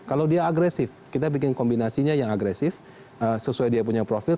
kalau dia agresif kita bikin kombinasinya yang agresif sesuai dia punya profil